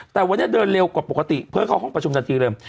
แต่วันนี้เดินเร็วกว่าปกติเพื่อเข้าห้องประชุมทันทีเลย